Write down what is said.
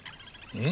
うん。